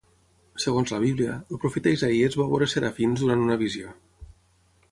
Segons la bíblia, el profeta Isaïes va veure serafins durant una visió.